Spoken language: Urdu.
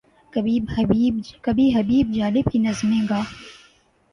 کبھی حبیب جالب کی نظمیں گا۔